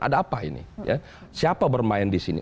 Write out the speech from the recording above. ada apa ini siapa bermain disini